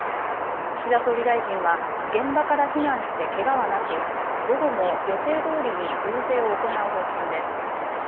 岸田総理大臣は現場から避難してけがはなく午後も予定どおりに遊説を行う方針です。